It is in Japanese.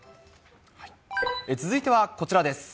続いてはこちらです。